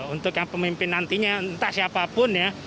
untuk yang pemimpin nantinya entah siapapun ya